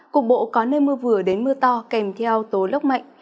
cục bộ có nơi mưa vừa đến mưa to kèm theo tố lốc mạnh